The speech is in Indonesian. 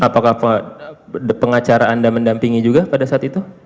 apakah pengacara anda mendampingi juga pada saat itu